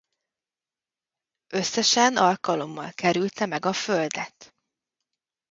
Összesen alkalommal kerülte meg a Földet.